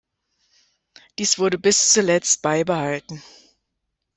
Dies wurde bis zuletzt beibehalten.